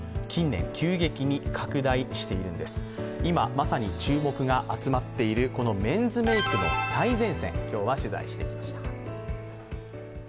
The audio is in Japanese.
今まさに注目が集まっているメンズメークの最前線、今日は取材してきました。